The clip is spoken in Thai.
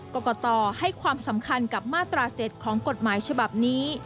กรกตให้ความสำคัญกับมาตรา๗ของกฎหมายฉบับนี้